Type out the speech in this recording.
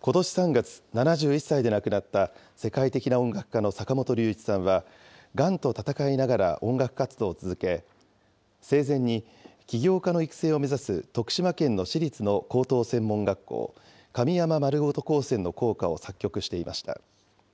ことし３月、７１歳で亡くなった世界的な音楽家の坂本龍一さんは、がんと闘いながら音楽活動を続け、生前に起業家の育成を目指す、徳島県の私立の高等専門学校、神山まるごと高専の校歌を作曲していました。